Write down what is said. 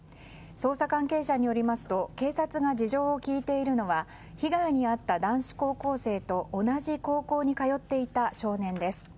捜査関係者によりますと警察が事情を聴いているのは被害に遭った男子高校生と同じ高校に通っていた少年です。